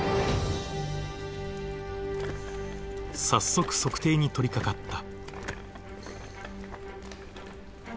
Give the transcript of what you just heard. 早速測定に取りかかった。